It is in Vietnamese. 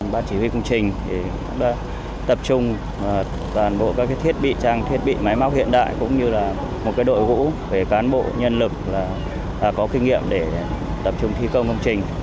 ban chỉ huy công trình cũng đã tập trung toàn bộ các thiết bị trang thiết bị máy móc hiện đại cũng như là một đội ngũ về cán bộ nhân lực có kinh nghiệm để tập trung thi công công trình